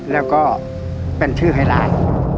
แล้วก็เป็นชื่อไฮไลน์